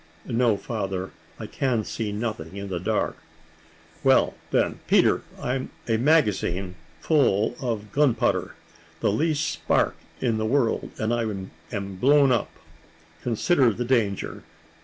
"No, father; I can see nothing in the dark." "Well, then, Peter, I'm a magazine, full of gun powder; the least spark in the world, and I am blown up. Consider the danger.